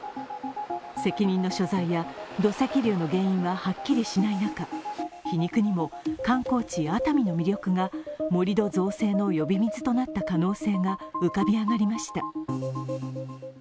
責任の所在や土石流の原因ははっきりしない中、皮肉にも観光地・熱海の魅力が盛り土造成の呼び水となった可能性が浮かび上がりました。